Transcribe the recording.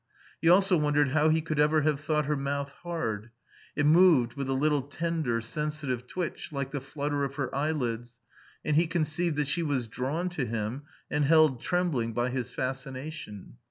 He also wondered how he could ever have thought her mouth hard. It moved with a little tender, sensitive twitch, like the flutter of her eyelids, and he conceived that she was drawn to him and held trembling by his fascination.